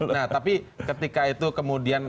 nah tapi ketika itu kemudian